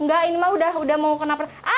enggak ini mah udah mau kena penasaran